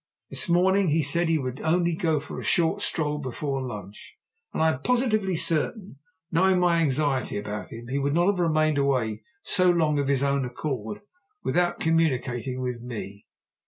This morning he said he would only go for a short stroll before lunch, and I am positively certain, knowing my anxiety about him, he would not have remained away so long of his own accord without communicating with me."